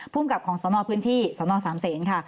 ภูมิกับของสนพื้นที่สนสามเศษค่ะ